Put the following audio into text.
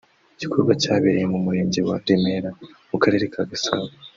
igikorwa cyabereye mu murenge wa Remera mu karere ka Gasabo